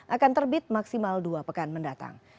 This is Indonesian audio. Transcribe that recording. akan terbit maksimal dua pekan mendatang